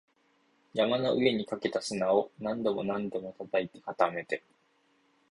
山の上にかけた砂を何度も何度も叩いて、固めて